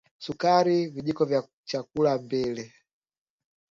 Sukari vijiko vya chakula mbili